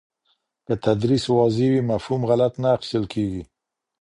که تدریس واضح وي، مفهوم غلط نه اخیستل کېږي.